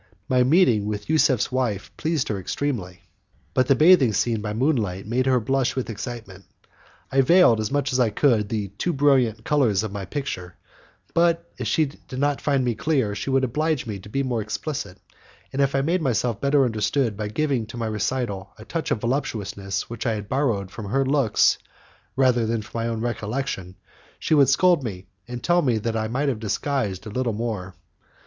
My meeting with Yusuf's wife pleased her extremely, but the bathing scene by moonlight made her blush with excitement. I veiled as much as I could the too brilliant colours of my picture, but, if she did not find me clear, she would oblige me to be more explicit, and if I made myself better understood by giving to my recital a touch of voluptuousness which I borrowed from her looks more than from my recollection, she would scold me and tell me that I might have disguised a little more.